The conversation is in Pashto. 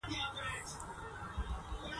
محوري ټکی یې بېلابېل وحشي نباتات او حیوانات وو